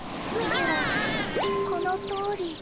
このとおり。